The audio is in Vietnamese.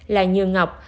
là như ngọc